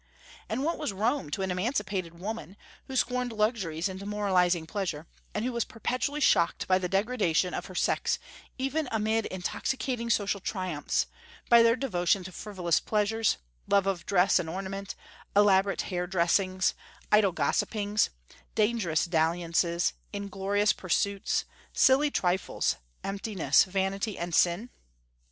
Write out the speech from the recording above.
And what was Rome to an emancipated woman, who scorned luxuries and demoralizing pleasure, and who was perpetually shocked by the degradation of her sex even amid intoxicating social triumphs, by their devotion to frivolous pleasures, love of dress and ornament, elaborate hair dressings, idle gossipings, dangerous dalliances, inglorious pursuits, silly trifles, emptiness, vanity, and sin?